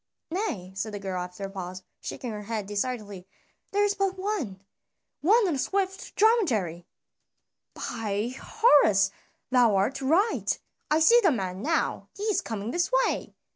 "Nay," said the girl after a pause, shaking her head decidedly; "there is but one one on a swift dromedary." "By Horus! thou art right, I see the man now, he is coming this way."